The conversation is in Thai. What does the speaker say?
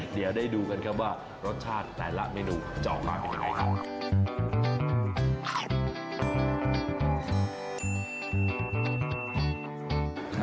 เดี๋ยวจะได้ดูกันครับว่ารสชาติแต่ละเมนูจอกมาเป็นอย่างไรครับ